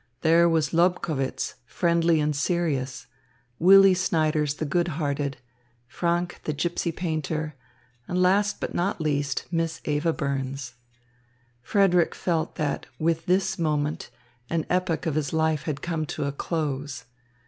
There was Lobkowitz, friendly and serious, Willy Snyders the good hearted, Franck the gypsy painter, and, last but not least, Miss Eva Burns. Frederick felt that with this moment, an epoch of his life had come to a close.